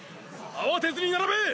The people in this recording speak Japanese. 慌てずに並べ！